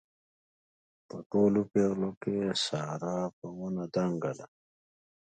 په ټولو پېغلو کې ساره په ونه دنګه ده.